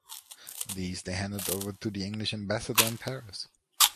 These they handed over to the English ambassador in Paris.